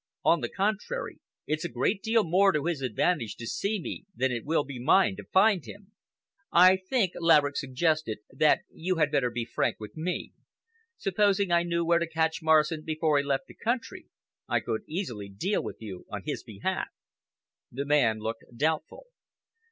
On the contrary, it's a great deal more to his advantage to see me than it will be mine to find him." "I think," Laverick suggested, "that you had better be frank with me. Supposing I knew where to catch Morrison before he left the country, I could easily deal with you on his behalf." The man looked doubtful.